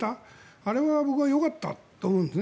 あれは僕はよかったと思うんですね。